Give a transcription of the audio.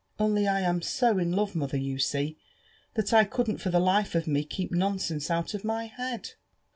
— Only I am so in love, mother, you see, that I couldn't for the life of me keep nonsense out of my head."